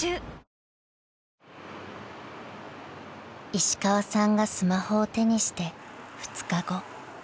［石川さんがスマホを手にして２日後］